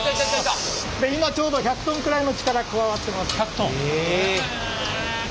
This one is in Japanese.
今ちょうど１００トンくらいの力加わってます。